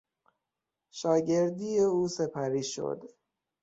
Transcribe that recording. شاگردی او سپری شد.